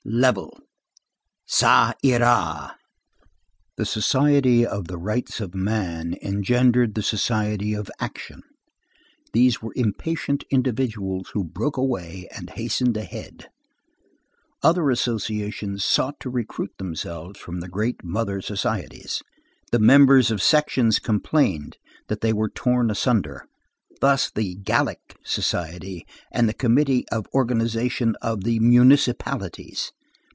Level. Ça Ira. The Society of the Rights of Man engendered the Society of Action. These were impatient individuals who broke away and hastened ahead. Other associations sought to recruit themselves from the great mother societies. The members of sections complained that they were torn asunder. Thus, the Gallic Society, and the committee of organization of the Municipalities.